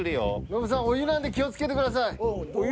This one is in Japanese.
ノブさんお湯なんで気を付けてください。